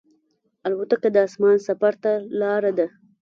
الوتکه د اسمان سفر ته لاره ده.